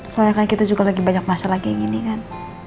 soalnya kan kita juga lagi banyak masalah kayak gini kan